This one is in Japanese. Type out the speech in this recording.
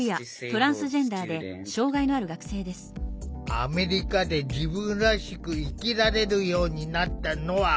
アメリカで自分らしく生きられるようになったノア。